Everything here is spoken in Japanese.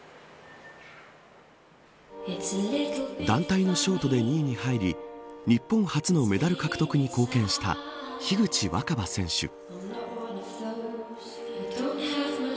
団体のショートで２位に入り日本初のメダル獲得に貢献した樋口新葉選手。